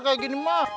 kayak gini mah